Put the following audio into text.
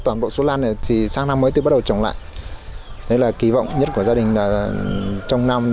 toàn bộ số lan thì sáng năm mới tôi bắt đầu trồng lại đấy là kỳ vọng nhất của gia đình là trong năm